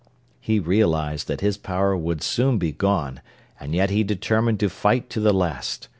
He realized that his power would soon be gone and yet he determined to fight to the last.